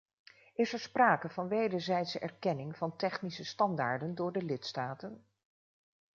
Is er sprake van wederzijdse erkenning van technische standaarden door de lidstaten?